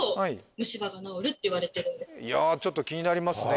いやーちょっと気になりますね